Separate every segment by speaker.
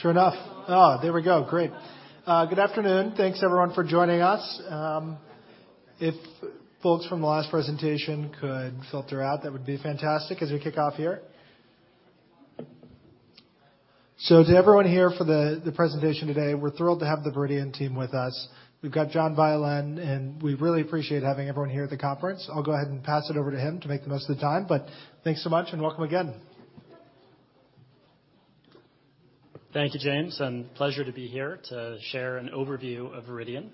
Speaker 1: Sure enough. There we go. Great. Good afternoon. Thanks everyone for joining us. If folks from the last presentation could filter out, that would be fantastic as we kick off here. To everyone here for the presentation today, we're thrilled to have the Viridian team with us. We've got Scott Myers, and we really appreciate having everyone here at the conference. I'll go ahead and pass it over to him to make the most of the time, but thanks so much and welcome again.
Speaker 2: Thank you, James. Pleasure to be here to share an overview of Viridian.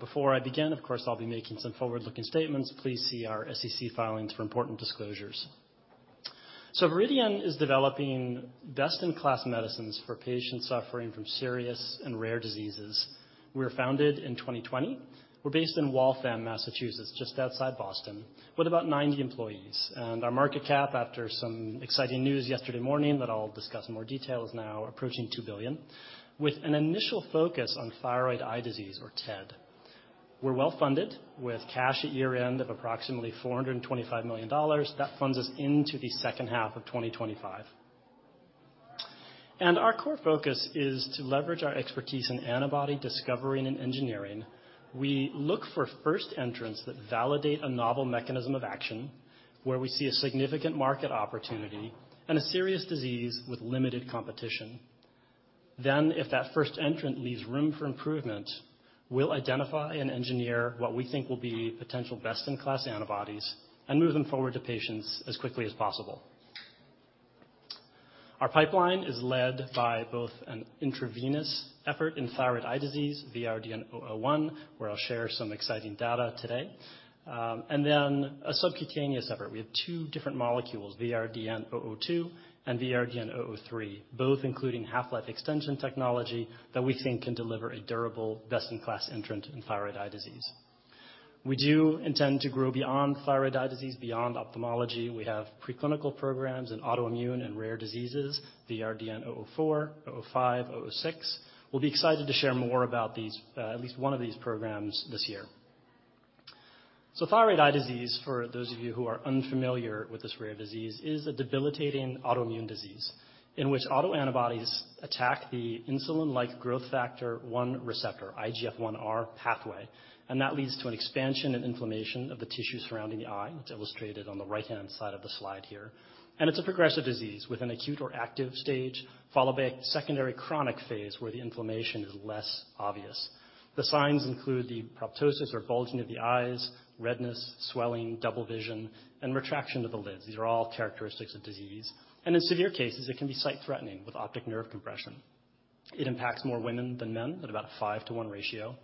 Speaker 2: Before I begin, of course, I'll be making some forward-looking statements. Please see our SEC filings for important disclosures. Viridian is developing best-in-class medicines for patients suffering from serious and rare diseases. We were founded in 2020. We're based in Waltham, Massachusetts, just outside Boston, with about 90 employees. Our market cap, after some exciting news yesterday morning that I'll discuss in more detail, is now approaching $2 billion, with an initial focus on thyroid eye disease or TED. We're well-funded with cash at year-end of approximately $425 million. That funds us into the second half of 2025. Our core focus is to leverage our expertise in antibody discovery and engineering. We look for first entrants that validate a novel mechanism of action, where we see a significant market opportunity and a serious disease with limited competition. If that first entrant leaves room for improvement, we'll identify and engineer what we think will be potential best-in-class antibodies and move them forward to patients as quickly as possible. Our pipeline is led by both an intravenous effort in thyroid eye disease, VRDN-001, where I'll share some exciting data today. A subcutaneous effort. We have two different molecules, VRDN-002 and VRDN-003, both including half-life extension technology that we think can deliver a durable best-in-class entrant in thyroid eye disease. We do intend to grow beyond thyroid eye disease, beyond ophthalmology. We have preclinical programs in autoimmune and rare diseases, VRDN-004, 005, 006. We'll be excited to share more about these, at least one of these programs this year. Thyroid eye disease, for those of you who are unfamiliar with this rare disease, is a debilitating autoimmune disease in which autoantibodies attack the insulin-like growth factor-one receptor, IGF-1R pathway. That leads to an expansion and inflammation of the tissue surrounding the eye. It's illustrated on the right-hand side of the slide here. It's a progressive disease with an acute or active stage, followed by a secondary chronic phase where the inflammation is less obvious. The signs include the proptosis or bulging of the eyes, redness, swelling, double vision, and retraction of the lids. These are all characteristics of disease. In severe cases, it can be sight-threatening with optic nerve compression. It impacts more women than men at about a 5-to-1 ratio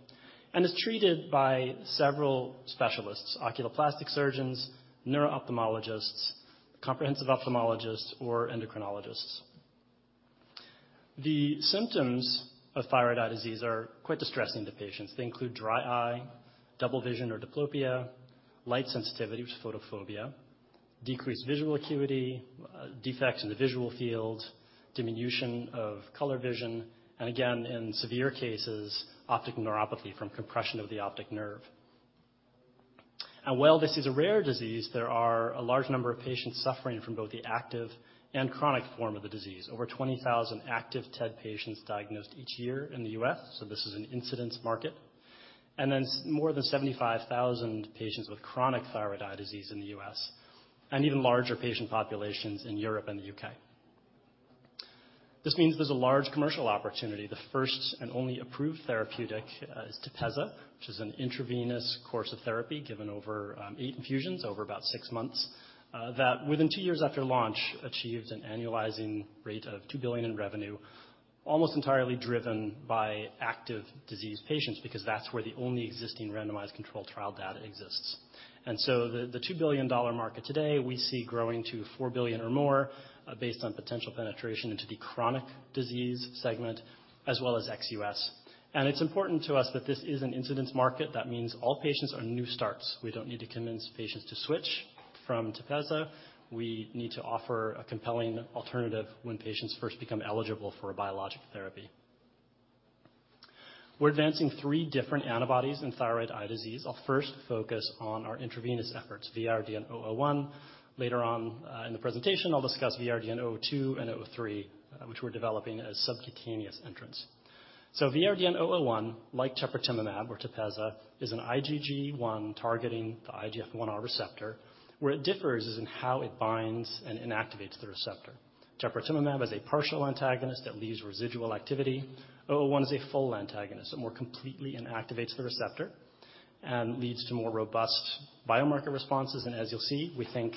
Speaker 2: and is treated by several specialists, oculoplastic surgeons, neuro-ophthalmologists, comprehensive ophthalmologists, or endocrinologists. The symptoms of thyroid eye disease are quite distressing to patients. They include dry eye, double vision or diplopia, light sensitivity, which is photophobia, decreased visual acuity, defects in the visual field, diminution of color vision, and again, in severe cases, optic neuropathy from compression of the optic nerve. While this is a rare disease, there are a large number of patients suffering from both the active and chronic form of the disease. Over 20,000 active TED patients diagnosed each year in the U.S., so this is an incidence market. More than 75,000 patients with chronic thyroid eye disease in the U.S., and even larger patient populations in Europe and the U.K. This means there's a large commercial opportunity. The first and only approved therapeutic is Tepezza, which is an intravenous course of therapy given over 8 infusions over about 6 months that within two years after launch, achieved an annualizing rate of $2 billion in revenue, almost entirely driven by active disease patients because that's where the only existing randomized controlled trial data exists. The $2 billion market today, we see growing to $4 billion or more based on potential penetration into the chronic disease segment as well as ex-U.S. It's important to us that this is an incidence market. That means all patients are new starts. We don't need to convince patients to switch from Tepezza. We need to offer a compelling alternative when patients first become eligible for a biologic therapy. We're advancing 3 different antibodies in thyroid eye disease. I'll first focus on our intravenous efforts, VRDN-001. Later on, in the presentation, I'll discuss VRDN-002 and 003, which we're developing as subcutaneous entrants. VRDN-001, like teprotumumab or Tepezza, is an IgG1 targeting the IGF-1R receptor. Where it differs is in how it binds and inactivates the receptor. Teprotumumab is a partial antagonist that leaves residual activity. 001 is a full antagonist. It more completely inactivates the receptor and leads to more robust biomarker responses, and as you'll see, we think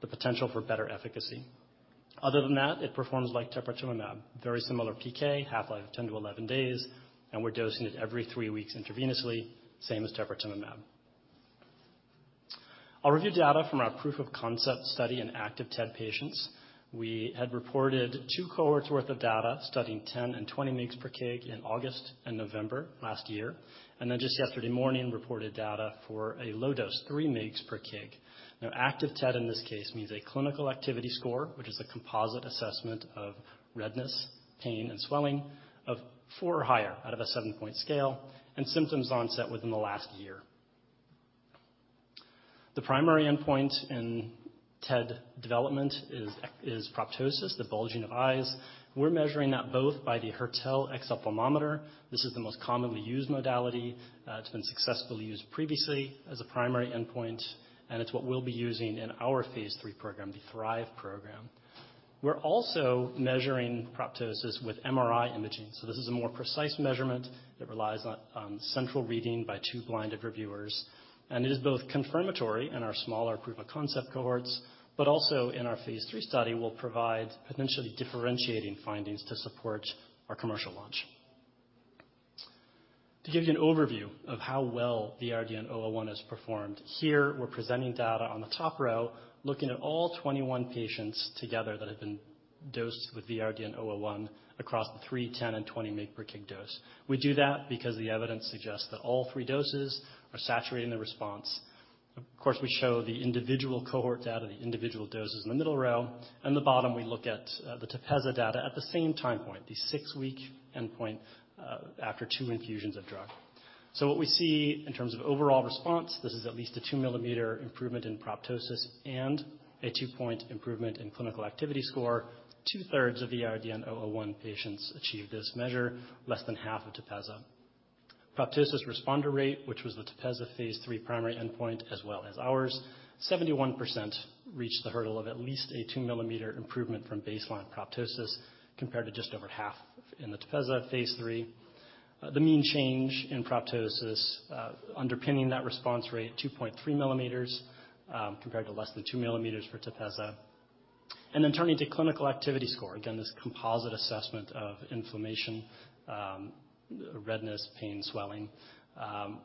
Speaker 2: the potential for better efficacy. Other than that, it performs like teprotumumab. Very similar PK, half-life of 10-11 days, and we're dosing it every three weeks intravenously, same as teprotumumab. I'll review data from our proof of concept study in active TED patients. We had reported two cohorts worth of data studying 10 and 20 mgs per kg in August and November last year. Just yesterday morning, reported data for a low dose, 3 mgs per kg. Active TED in this case means a Clinical Activity Score, which is a composite assessment of redness, pain, and swelling of 4 or higher out of a 7-point scale and symptoms onset within the last year. The primary endpoint in TED development is proptosis, the bulging of eyes. We're measuring that both by the Hertel exophthalmometer. This is the most commonly used modality. It's been successfully used previously as a primary endpoint, and it's what we'll be using in our phase III program, the THRIVE program. We're also measuring proptosis with MRI imaging. This is a more precise measurement that relies on central reading by two blinded reviewers, and it is both confirmatory in our smaller proof-of-concept cohorts, but also in our phase three study, will provide potentially differentiating findings to support our commercial launch. To give you an overview of how well VRDN-001 has performed, here we're presenting data on the top row, looking at all 21 patients together that have been dosed with VRDN-001 across the three, 10, and 20 mg per kg dose. We do that because the evidence suggests that all three doses are saturating the response. Of course, we show the individual cohort data, the individual doses in the middle row, and the bottom we look at the Tepezza data at the same time point, the six-week endpoint after two infusions of drug. What we see in terms of overall response, this is at least a 2-mm improvement in proptosis and a 2-point improvement in Clinical Activity Score. Two-thirds of VRDN-001 patients achieve this measure, less than half of Tepezza. Proptosis responder rate, which was the Tepezza phase primary endpoint as well as ours, 71% reached the hurdle of at least a 2-mm improvement from baseline proptosis compared to just over half in the Tepezza phase III The mean change in proptosis, underpinning that response rate, 2.3 mm, compared to less than 2 mm for Tepezza. Turning to Clinical Activity Score. Again, this composite assessment of inflammation, redness, pain, swelling. 62%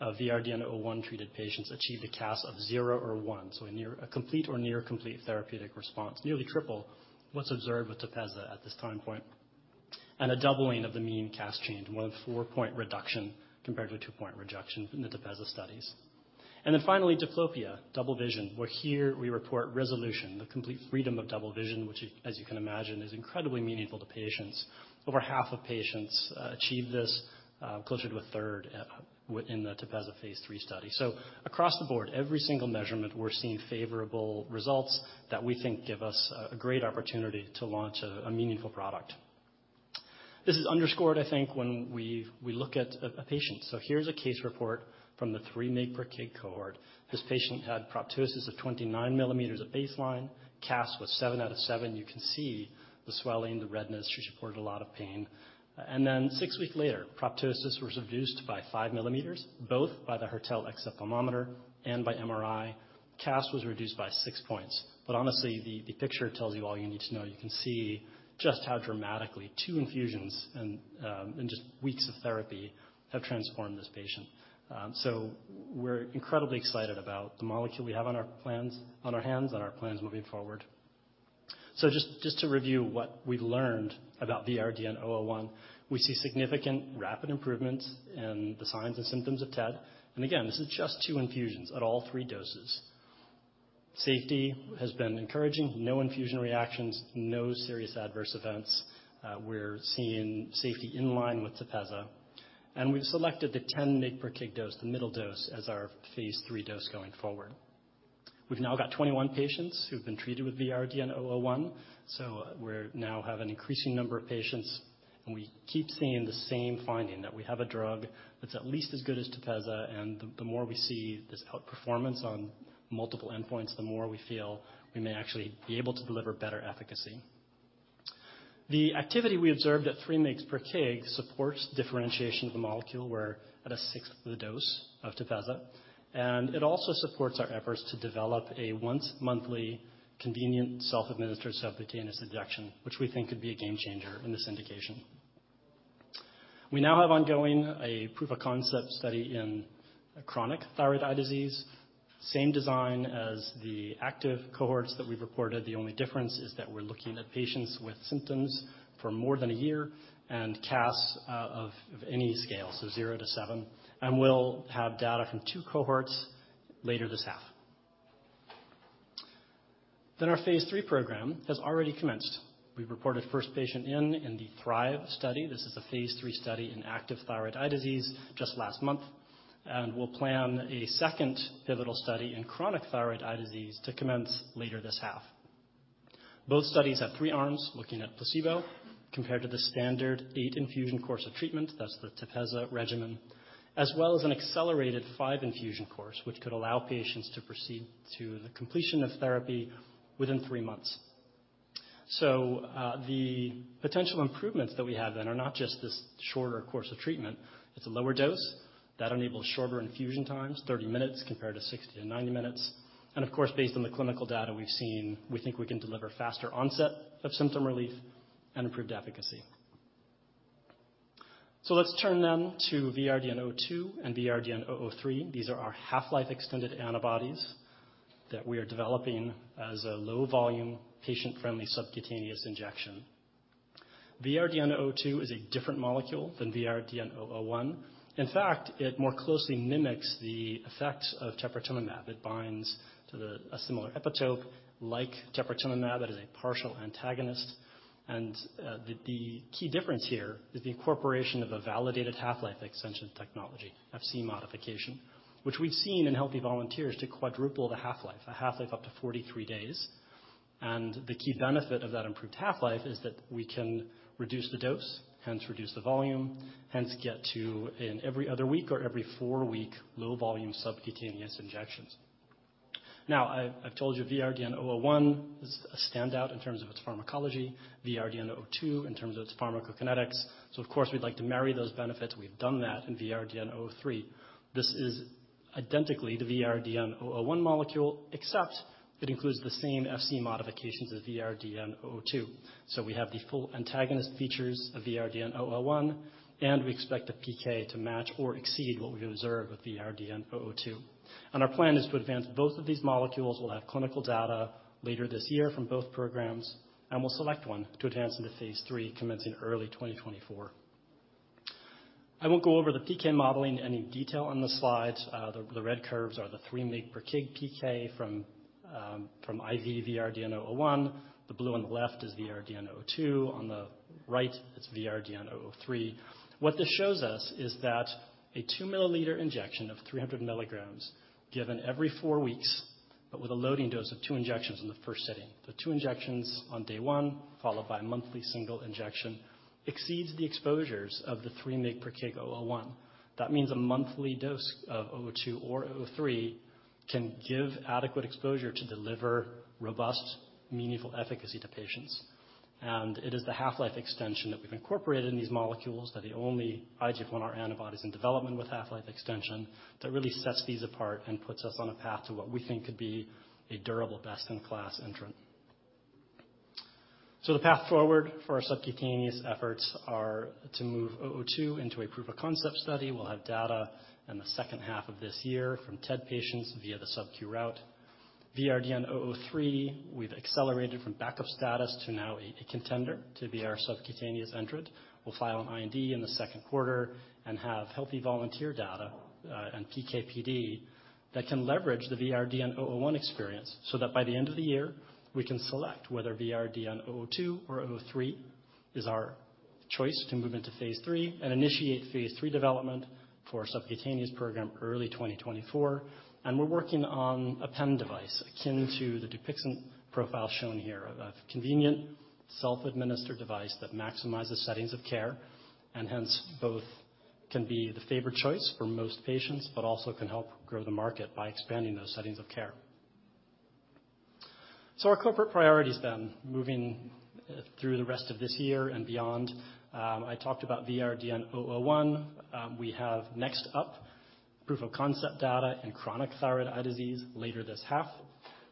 Speaker 2: of VRDN-001 treated patients achieved a CAS of zero or one, so a near... A complete or near complete therapeutic response, nearly triple what's observed with Tepezza at this time point, and a doubling of the mean CAS change, more than 4-point reduction compared to a 2-point reduction in the Tepezza studies. Finally, diplopia, double vision, where here we report resolution, the complete freedom of double vision, which as you can imagine, is incredibly meaningful to patients. Over half of patients achieve this, closer to a third at within the Tepezza phase III study. Across the board, every single measurement, we're seeing favorable results that we think give us a great opportunity to launch a meaningful product. This is underscored, I think, when we look at a patient. Here's a case report from the 3 mg per kg cohort. This patient had proptosis of 29 mm at baseline. CAS was seven out of seven. You can see the swelling, the redness. She's reported a lot of pain. 6 weeks later, proptosis was reduced by 5 mm, both by the Hertel exophthalmometer and by MRI. CAS was reduced by 6 points. Honestly, the picture tells you all you need to know. You can see just how dramatically two infusions and just weeks of therapy have transformed this patient. We're incredibly excited about the molecule we have on our hands and our plans moving forward. Just to review what we learned about VRDN-001. We see significant rapid improvements in the signs and symptoms of TED. Again, this is just two infusions at all three doses. Safety has been encouraging. No infusion reactions, no serious adverse events. We're seeing safety in line with Tepezza. We've selected the 10 mg/kg dose, the middle dose, as our phase III dose going forward. We've now got 21 patients who've been treated with VRDN-001. We're now have an increasing number of patients, and we keep seeing the same finding, that we have a drug that's at least as good as Tepezza. The more we see this outperformance on multiple endpoints, the more we feel we may actually be able to deliver better efficacy. The activity we observed at 3 mg/kg supports differentiation of the molecule. We're at a sixth of the dose of Tepezza. It also supports our efforts to develop a once-monthly convenient self-administered subcutaneous injection, which we think could be a game changer in this indication. We now have ongoing a proof-of-concept study in chronic thyroid eye disease, same design as the active cohorts that we've reported. The only difference is that we're looking at patients with symptoms for more than one year and CAS out of any scale, so zero to seven. We'll have data from two cohorts later this half. Our phase III program has already commenced. We've reported first patient in the THRIVE study. This is a phase III study in active thyroid eye disease just last month. We'll plan a second pivotal study in chronic thyroid eye disease to commence later this half. Both studies have three arms looking at placebo compared to the standard eight infusion course of treatment. That's the Tepezza regimen, as well as an accelerated five infusion course, which could allow patients to proceed to the completion of therapy within three months. The potential improvements that we have then are not just this shorter course of treatment. It's a lower dose that enables shorter infusion times, 30 minutes compared to 60-90 minutes. Of course, based on the clinical data we've seen, we think we can deliver faster onset of symptom relief and improved efficacy. Let's turn then to VRDN-002 and VRDN-003. These are our half-life extended antibodies that we are developing as a low-volume, patient-friendly subcutaneous injection. VRDN-002 is a different molecule than VRDN-001. In fact, it more closely mimics the effects of teprotumumab. It binds to a similar epitope like teprotumumab that is a partial antagonist. The key difference here is the incorporation of a validated half-life extension technology, Fc modification, which we've seen in healthy volunteers to quadruple the half-life, a half-life up to 43 days. The key benefit of that improved half-life is that we can reduce the dose, hence reduce the volume, hence get to in every other week or every four-week low volume subcutaneous injections. Now, I've told you VRDN-001 is a standout in terms of its pharmacology, VRDN-002 in terms of its pharmacokinetics. Of course, we'd like to marry those benefits. We've done that in VRDN-003. This is identically the VRDN-001 molecule, except it includes the same Fc modifications as VRDN-002. We have the full antagonist features of VRDN-001, and we expect the PK to match or exceed what we observe with VRDN-002. Our plan is to advance both of these molecules. We'll have clinical data later this year from both programs. We'll select one to advance into phase III, commencing early 2024. I won't go over the PK modeling in any detail on the slides. The red curves are the 3 mg per kg PK from IV VRDN-001. The blue on the left is VRDN-002. On the right, it's VRDN-003. What this shows us is that a 2-ml injection of 300 mg given every four weeks, but with a loading dose of two injections in the first setting. The two injections on day one, followed by a monthly single injection, exceeds the exposures of the 3 mg per kg 001. That means a monthly dose of 002 or 003 can give adequate exposure to deliver robust, meaningful efficacy to patients. It is the half-life extension that we've incorporated in these molecules that the only IGF-1R antibodies in development with half-life extension that really sets these apart and puts us on a path to what we think could be a durable best-in-class entrant. The path forward for our subcutaneous efforts are to move OO2 into a proof-of-concept study. We'll have data in the second half of this year from TED patients via the subq route. VRDN-OO3, we've accelerated from backup status to now a contender to be our subcutaneous entrant. We'll file an IND in the second quarter and have healthy volunteer data, and PK/PD that can leverage the VRDN-OO1 experience, so that by the end of the year, we can select whether VRDN-OO2 or OO3 is our choice to move into phase three and initiate phase three development for our subcutaneous program early 2024. We're working on a pen device akin to the Dupixent profile shown here. A convenient self-administered device that maximizes settings of care, and hence both can be the favored choice for most patients, but also can help grow the market by expanding those settings of care. Our corporate priorities then, moving through the rest of this year and beyond. I talked about VRDN-001. We have next up proof-of-concept data in chronic thyroid eye disease later this half.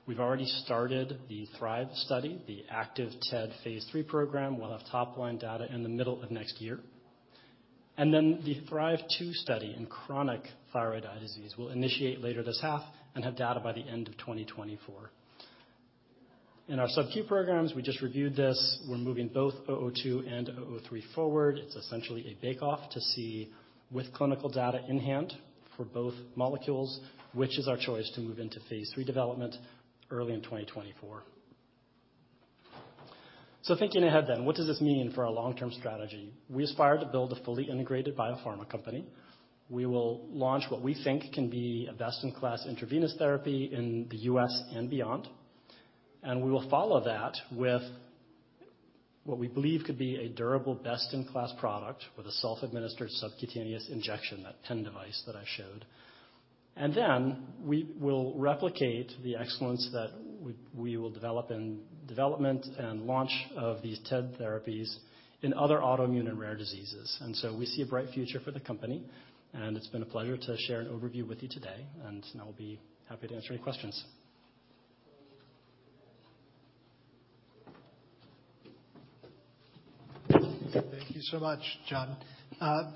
Speaker 2: We've already started the THRIVE study, the active TED phase III program. We'll have top-line data in the middle of next year. The THRIVE-2 study in chronic thyroid eye disease will initiate later this half and have data by the end of 2024. In our subq programs, we just reviewed this. We're moving both 002 and 003 forward. It's essentially a bake off to see with clinical data in hand for both molecules, which is our choice to move into phase three development early in 2024. Thinking ahead then, what does this mean for our long-term strategy? We aspire to build a fully integrated biopharma company. We will launch what we think can be a best-in-class intravenous therapy in the U.S. and beyond. We will follow that with what we believe could be a durable best-in-class product with a self-administered subcutaneous injection, that pen device that I showed. We will replicate the excellence that we will develop in development and launch of these TED therapies in other autoimmune and rare diseases. We see a bright future for the company, and it's been a pleasure to share an overview with you today, and I'll be happy to answer any questions.
Speaker 1: Thank you so much, John.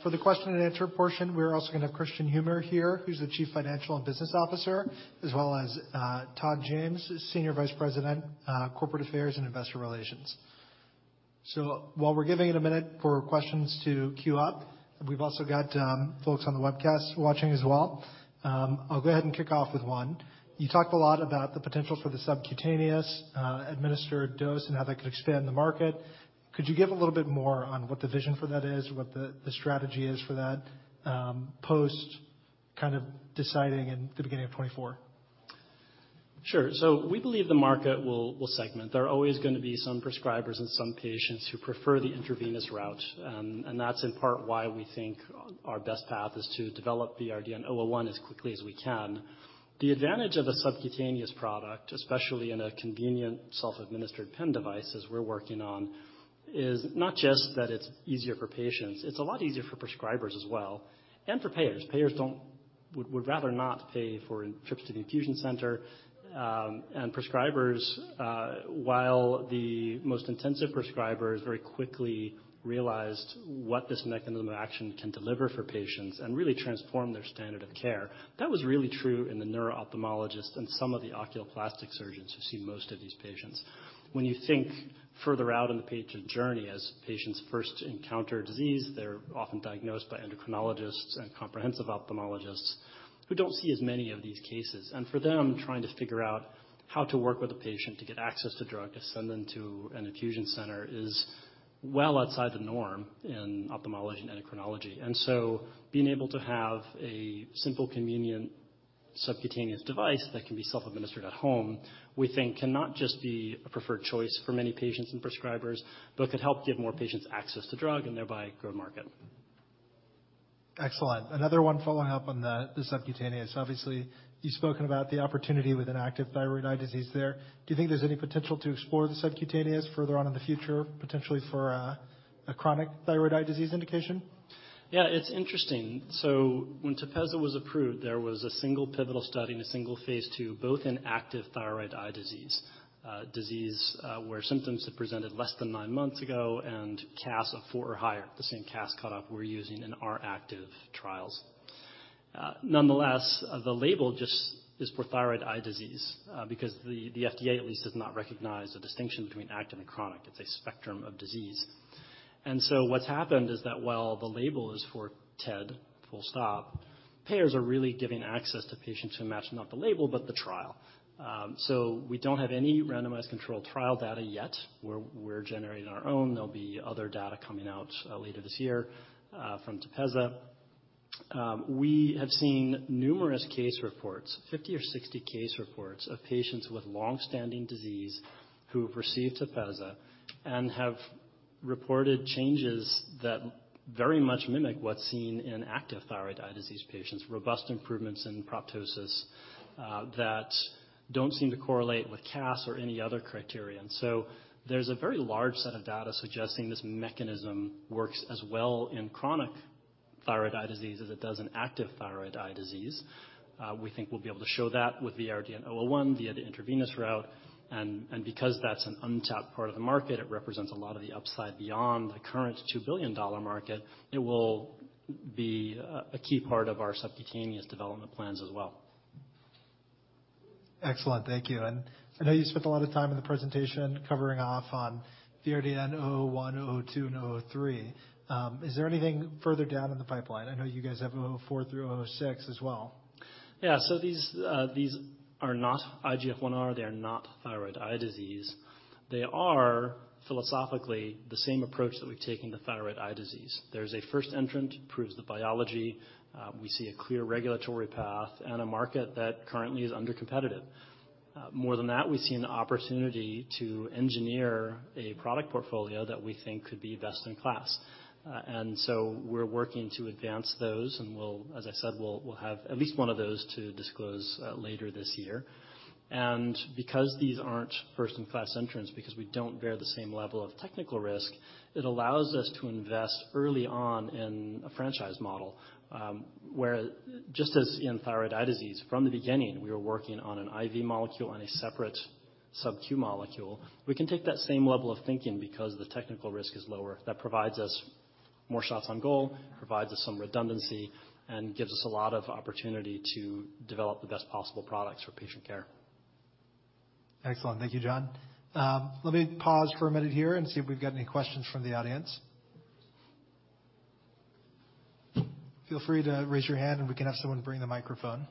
Speaker 1: For the question and answer portion, we're also gonna have Kristian Humer here, who's the chief financial and business officer, as well as, Todd James, Senior Vice President, Corporate Affairs and Investor Relations. While we're giving it a minute for questions to queue up, we've also got folks on the webcast watching as well. I'll go ahead and kick off with one. You talked a lot about the potential for the subcutaneous administered dose and how that could expand the market. Could you give a little bit more on what the vision for that is, what the strategy is for that, post kind of deciding in the beginning of 2024?
Speaker 2: We believe the market will segment. There are always gonna be some prescribers and some patients who prefer the intravenous route. That's in part why we think our best path is to develop VRDN-001 as quickly as we can. The advantage of a subcutaneous product, especially in a convenient self-administered pen device as we're working on, is not just that it's easier for patients. It's a lot easier for prescribers as well, and for payers. Payers would rather not pay for trips to the infusion center. Prescribers, while the most intensive prescribers very quickly realized what this mechanism of action can deliver for patients and really transform their standard of care. That was really true in the neuro-ophthalmologists and some of the oculoplastic surgeons who see most of these patients. When you think further out in the patient journey, as patients first encounter disease, they're often diagnosed by endocrinologists and comprehensive ophthalmologists who don't see as many of these cases. For them, trying to figure out how to work with a patient to get access to drug, to send them to an infusion center is well outside the norm in ophthalmology and endocrinology. Being able to have a simple, convenient subcutaneous device that can be self-administered at home, we think can not just be a preferred choice for many patients and prescribers, but could help give more patients access to drug and thereby grow market.
Speaker 1: Excellent. Another one following up on the subcutaneous. Obviously, you've spoken about the opportunity with an active thyroid eye disease there. Do you think there's any potential to explore the subcutaneous further on in the future, potentially for a chronic thyroid eye disease indication?
Speaker 2: It's interesting. When Tepezza was approved, there was a single pivotal study and a single phase II, both in active thyroid eye disease, where symptoms have presented less than nine months ago, and CAS of four or higher. The same CAS cutoff we're using in our active trials. Nonetheless, the label just is for thyroid eye disease, because the FDA at least does not recognize a distinction between active and chronic. It's a spectrum of disease. What's happened is that while the label is for TED, full stop, payers are really giving access to patients who match not the label, but the trial. We don't have any randomized controlled trial data yet. We're generating our own. There'll be other data coming out later this year from Tepezza. We have seen numerous case reports, 50 or 60 case reports of patients with long-standing disease who have received Tepezza and have reported changes that very much mimic what's seen in active thyroid eye disease patients. Robust improvements in proptosis that don't seem to correlate with CAS or any other criterion. There's a very large set of data suggesting this mechanism works as well in chronic thyroid eye disease as it does in active thyroid eye disease. We think we'll be able to show that with VRDN-001 via the intravenous route. Because that's an untapped part of the market, it represents a lot of the upside beyond the current $2 billion market. It will be a key part of our subcutaneous development plans as well.
Speaker 1: Excellent. Thank you. I know you spent a lot of time in the presentation covering off on VRDN-001, 002, and 003. Is there anything further down in the pipeline? I know you guys have 004 through 006 as well.
Speaker 2: Yeah. These are not IGF-1R, they are not thyroid eye disease. They are philosophically the same approach that we've taken to thyroid eye disease. There's a first entrant, proves the biology. We see a clear regulatory path and a market that currently is under competitive. More than that, we see an opportunity to engineer a product portfolio that we think could be best in class. We're working to advance those, and we'll, as I said, we'll have at least one of those to disclose later this year. Because these aren't first in class entrants, because we don't bear the same level of technical risk, it allows us to invest early on in a franchise model, where just as in thyroid eye disease, from the beginning, we were working on an IV molecule and a separate sub-Q molecule. We can take that same level of thinking because the technical risk is lower. That provides us more shots on goal, provides us some redundancy, and gives us a lot of opportunity to develop the best possible products for patient care.
Speaker 1: Excellent. Thank you, John. Let me pause for a minute here and see if we've got any questions from the audience. Feel free to raise your hand, and we can have someone bring the microphone.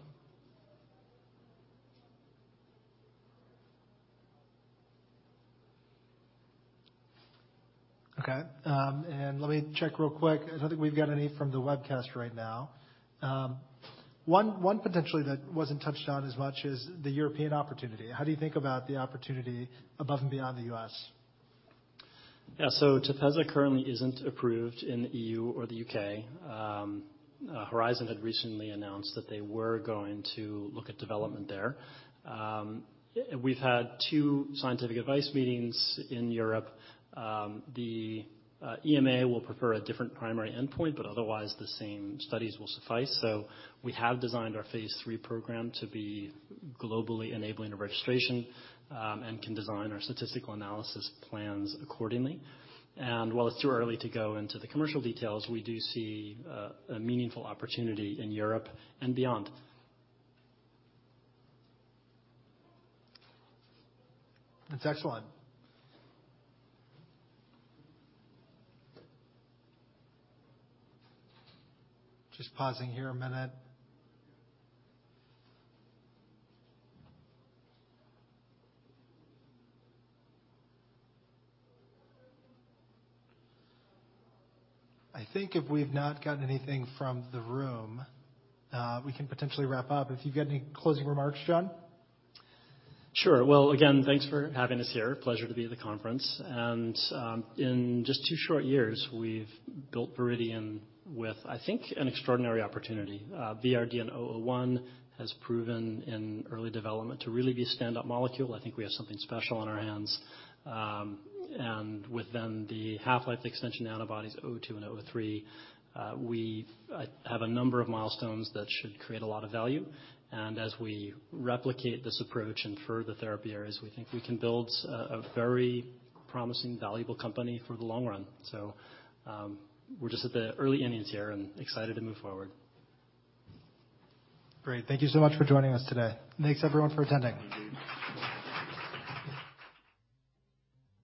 Speaker 1: Okay. Let me check real quick. I don't think we've got any from the webcast right now. One potentially that wasn't touched on as much is the European opportunity. How do you think about the opportunity above and beyond the U.S.?
Speaker 2: Tepezza currently isn't approved in the EU or the U.K. Horizon had recently announced that they were going to look at development there. We've had two scientific advice meetings in Europe. The EMA will prefer a different primary endpoint, but otherwise the same studies will suffice. We have designed our phase III program to be globally enabling a registration, and can design our statistical analysis plans accordingly. While it's too early to go into the commercial details, we do see a meaningful opportunity in Europe and beyond.
Speaker 1: That's excellent. Just pausing here a minute. I think if we've not gotten anything from the room, we can potentially wrap up. If you've got any closing remarks, Scott?
Speaker 2: Sure. Well, again, thanks for having us here. Pleasure to be at the conference. In just two short years, we've built Viridian with, I think, an extraordinary opportunity. VRDN-001 has proven in early development to really be a stand-up molecule. I think we have something special on our hands. Within the half-life extension antibodies, VRDN-002 and VRDN-003, we have a number of milestones that should create a lot of value. As we replicate this approach in further therapy areas, we think we can build a very promising, valuable company for the long run. We're just at the early innings here and excited to move forward.
Speaker 1: Great. Thank you so much for joining us today. Thanks everyone for attending.